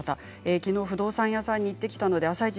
きのう不動産屋さんに行ってきたので「あさイチ」